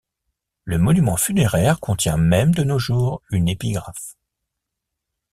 Le monument funéraire contient même de nos jours une épigraphe.